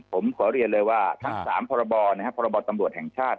ผมขอเรียนเลยว่าฮะทั้งสามนะฮะพรบตำลวดแห่งชาติ